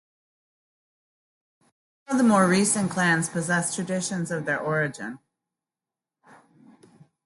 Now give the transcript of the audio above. Some of the more recent clans possess traditions of their origin.